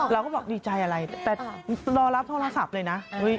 เราก็บอกดีใจอะไรแต่รอรับโทรศัพท์เลยนะ